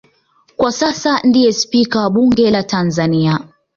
Kwa sasa ndiye Spika wa Bunge la Tanzania